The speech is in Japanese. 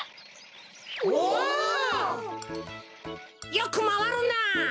よくまわるなあ。